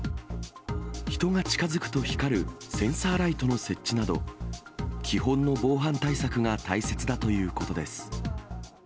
人が近づくと光るセンサーライトの設置など、基本の防犯対策が大切だということです。